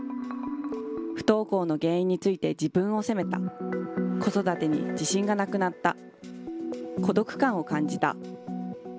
不登校の原因について自分を責めた、子育てに自信がなくなった、孤独感を感じた。